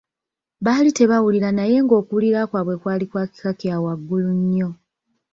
Baali tebawulira naye nga okuwulira kwabwe kwali kwa kika kya waggulu nnyo.